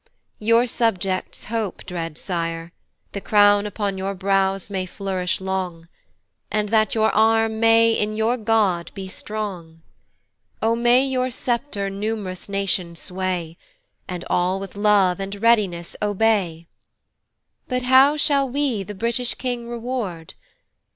YOUR subjects hope, dread Sire The crown upon your brows may flourish long, And that your arm may in your God be strong! O may your sceptre num'rous nations sway, And all with love and readiness obey! But how shall we the British king reward!